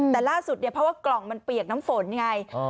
แต่ล่าสุดเนี่ยเพราะว่ากล่องมันเปียกน้ำฝนไง